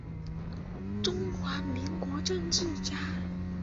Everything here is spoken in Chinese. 中华民国政治家。